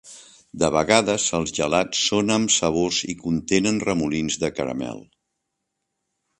De vegades, els gelats son amb sabors i contenen remolins de caramel.